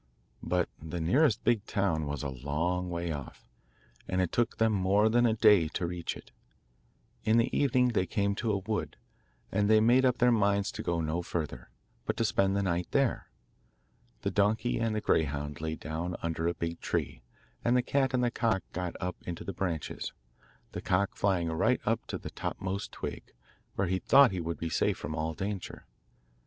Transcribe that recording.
But the nearest big town was a long way off, and it took them more than a day to reach it. In the evening they came to a wood, and they made up their minds to go no further, but to spend the night there. The donkey and the greyhound lay down under a big tree, and the cat and the cock got up into the branches, the cock flying right up to the topmost twig, where he thought he would be safe from all danger.